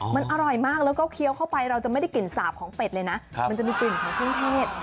มันอร่อยมากแล้วก็เคี้ยวเข้าไปเราจะไม่ได้กลิ่นสาบของเป็ดเลยนะมันจะมีกลิ่นของเครื่องเทศ